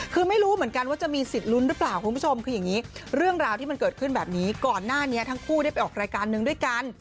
คือไม่รู้เหมือนกันว่าจะมีสิทธิ์ลุ้นหรือเปล่าคุณผู้ชมคืออย่างนี้เรื่องราวที่มันเกิดขึ้นแบบนี้ก่อนหน้านี้ทั้งคู่ได้ไปออกรายการนึงด้วยกัน